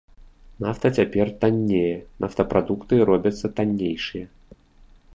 Нафта цяпер таннее, нафтапрадукты робяцца таннейшыя.